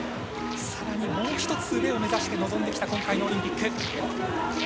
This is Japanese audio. さらにもう１つ上を目指して臨んできた今回のオリンピック。